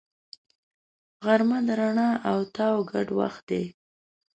غرمه د رڼا او تاو ګډ وخت دی